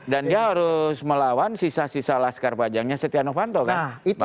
dan dia harus melawan sisa sisa laskar pajangnya setia novanto kan